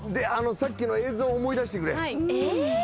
さっきの映像思い出してくれ。